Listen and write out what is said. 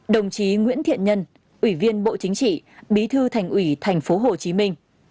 một mươi sáu đồng chí nguyễn thiện nhân ủy viên bộ chính trị bí thư thành ủy hà nội